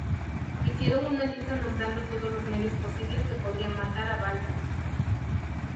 Hicieron una lista nombrando todos los medios posibles que podrían matar a Baldr.